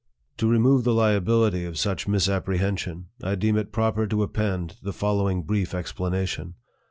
To remove the liabil ity of such misapprehension, I deem it proper to ap pend the following brief explanation.